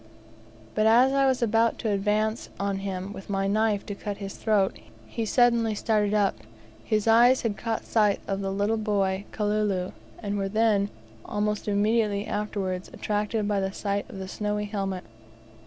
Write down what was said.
But as I was about to advance on him with my knife to cut his throat, he suddenly started up; his eyes had caught sight of the little boy Kalulu, and were then, almost immediately afterwards, attracted by the sight of the snowy helmet.